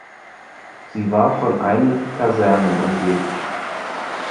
Sie war von einigen Kasernen umgeben.